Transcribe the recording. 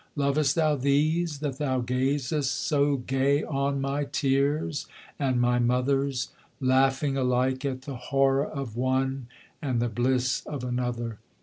Lovest thou these, that thou gazest so gay on my tears, and my mother's, Laughing alike at the horror of one, and the bliss of another?